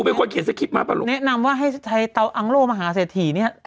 หนูไม่ควรเขียนสคริปมาปะลุงแนะนำว่าให้เตาอังโลวิชามาเศษฐีนี่